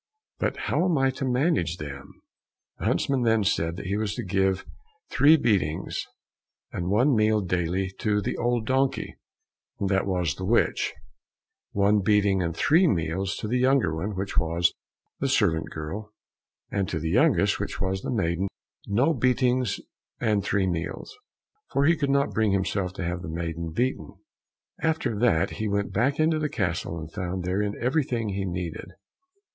But how am I to manage them?" The huntsman then said that he was to give three beatings and one meal daily to the old donkey, and that was the witch; one beating and three meals to the younger one, which was the servant girl; and to the youngest, which was the maiden, no beatings and three meals, for he could not bring himself to have the maiden beaten. After that he went back into the castle, and found therein everything he needed.